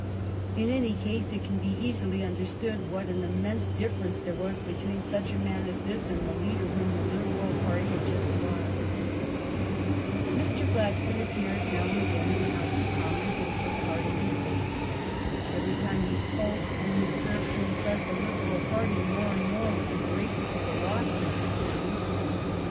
In any (From a photognph by the London I GLADSTONE IN RETIREMENT 32 1 case it can be easily understood what an immense difference there was between such a man as this and the leader whom the Liberal party had just lost. Mr. Gladstone appeared now and again in the House of Commons and took part in a debate. Every time he spoke only served to impress the Liberal party more and more with the greatness of the loss it had sustained. Mr.